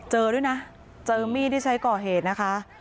เจอด้วยนะเจอมีดที่ใช้ก่อเหตุนะคะ